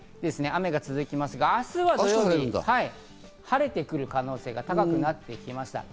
雨が続きますが、明日土曜日は晴れてくる可能性が高くなってきました。